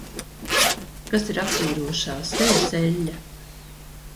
Kas ir attīrošā sejas eļļa?